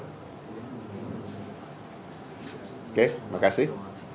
oke terima kasih